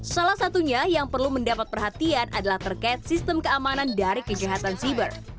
salah satunya yang perlu mendapat perhatian adalah terkait sistem keamanan dari kejahatan siber